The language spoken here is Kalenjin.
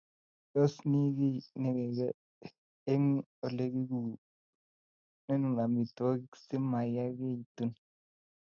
Tos, ni kiiy negeee eng olegigonoren amitwogik simayaagitun